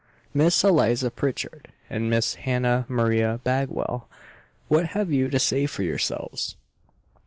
"Miss Eliza Pritchard and Miss Hannah Maria Bagwell, what have you to say for yourselves?"